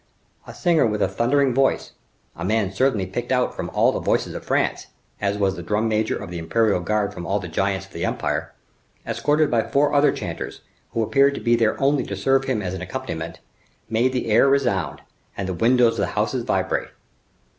A singer with a thundering voice—a man certainly picked out from all the voices of France, as was the drum major of the imperial guard from all the giants of the empire—escorted by four other chanters, who appeared to be there only to serve him as an accompaniment, made the air resound, and the windows of the houses vibrate.